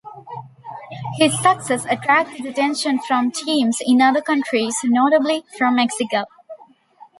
His success attracted attention from teams in other countries, notably from Mexico.